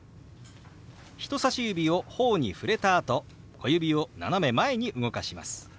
人さし指を頬に触れたあと小指を斜め前に動かします。